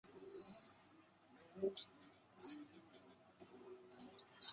政府通信总部和全球多个情报机构有着双边或是多边的合作关系。